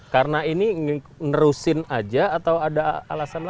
karena ini ngerusin aja atau ada alasan lain